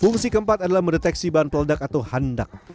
fungsi keempat adalah mendeteksi bahan peledak atau handak